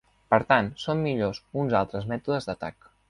Per tant, són millors uns altres mètodes d'atac.